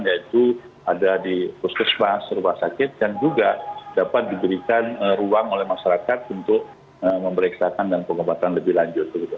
yaitu ada di puskesmas rumah sakit dan juga dapat diberikan ruang oleh masyarakat untuk memeriksakan dan pengobatan lebih lanjut